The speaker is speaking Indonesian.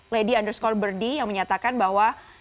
lady underscore birdie yang menyatakan bahwa